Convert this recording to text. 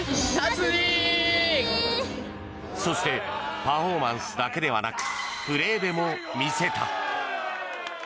そしてパフォーマンスだけではなくプレーでも魅せた！